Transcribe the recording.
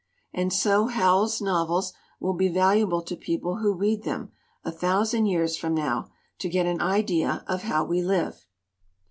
And so Howells's novels will be valuable to people who read them a thousand years from now to get an idea of how we live.